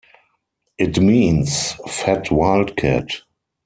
It means "fat wildcat".